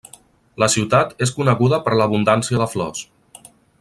La ciutat és coneguda per l'abundància de flors.